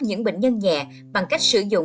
những bệnh nhân nhẹ bằng cách sử dụng